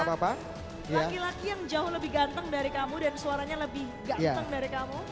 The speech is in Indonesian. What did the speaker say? karena laki laki yang jauh lebih ganteng dari kamu dan suaranya lebih ganteng dari kamu